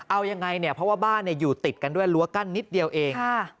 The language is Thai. เอายังไงเนี่ยเพราะว่าบ้านอยู่ติดกันด้วยรั้วกั้นนิดเดียวเอง